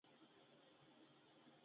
د کوره راغلم